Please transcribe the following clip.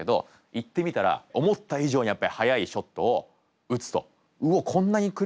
行ってみたら思った以上にやっぱり速いショットを打つと。